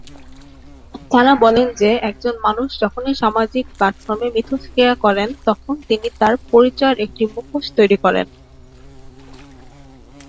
তারা বলেন যে একজন মানুষ যখনই সামাজিক প্লাটফর্মে মিথস্ক্রিয়া করেন তখন তিনি তাঁর পরিচয়ের একটি মুখোশ তৈরি করেন।